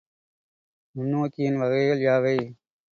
நுண்ணோக்கியின் வகைகள் யாவை?